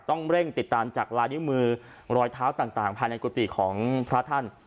ต้องเร่งติดตามจากลายนิ้วมือรอยเท้าต่างภายในกุฏิของพระท่าน